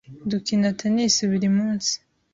Dukina tennis buri munsi.